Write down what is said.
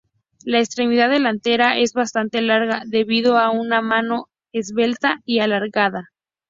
La extremidad delantera es bastante larga debido a una mano esbelta y alargada.